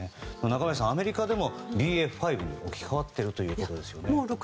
中林さん、アメリカでもＢＡ．５に置き換わっているということですね。